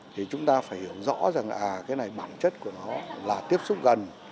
thì chúng ta phải hiểu rõ rằng cái này bản chất của nó là tiếp xúc gần